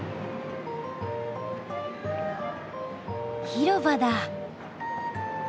広場だ。